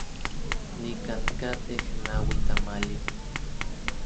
Nikan katej naui tamali.